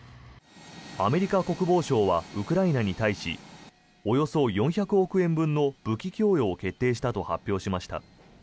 アメリカ国防省はウクライナに対しおよそ４００億円分の武器供与を決定したと発表しました。